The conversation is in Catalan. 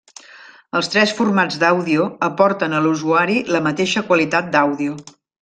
Els tres formats d'àudio aporten a l'usuari la mateixa qualitat d'àudio.